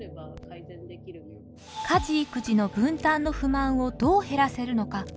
家事育児の分担の不満をどう減らせるのか？